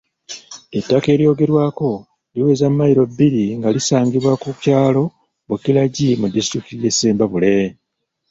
Ettaka eryogerwako liweza mmayiro bbiri nga lisangibwa ku kyalo Bukiragyi mu disitulikiti ye Ssembabule.